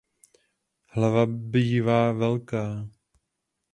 Hlava bývá velká.